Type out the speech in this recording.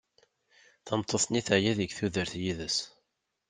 Tameṭṭut-nni teɛya deg tudert yid-s.